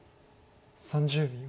３０秒。